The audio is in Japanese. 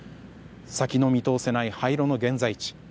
先の見通せない廃炉の現在地。